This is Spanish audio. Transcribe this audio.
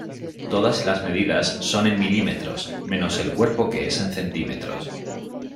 Todas las medidas son en mm, menos el cuerpo que es en cm.